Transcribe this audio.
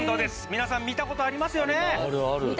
「皆さん見た事ありますよね？」